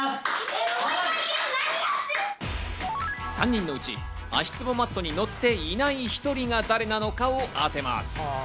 ３人のうち足つぼマットに乗っていない１人が誰なのかを当てます。